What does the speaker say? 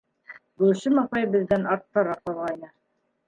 Гөлсөм апай беҙҙән артҡараҡ ҡалғайны.